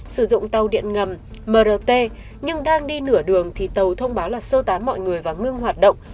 sử dụng tàu điện ngầm mrt nhưng đang đi nửa đường thì tàu thông báo là sơ tán mọi người và ngưng hoạt động